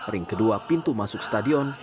ring kedua pintu masuk stadion